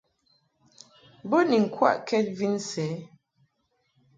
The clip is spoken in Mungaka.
Bo ni ŋkwaʼkɛd vin sɛ.